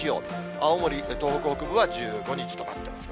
青森、東北北部は１５日となってます。